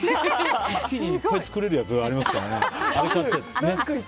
一気にいっぱい作れるやつありますからね。